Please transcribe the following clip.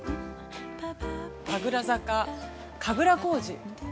◆神楽坂、神楽小路。